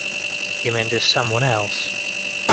You mean there's someone else?